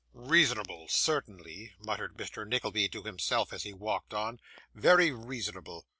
'Reasonable, certainly!' muttered Mr. Nickleby to himself, as he walked on, 'very reasonable!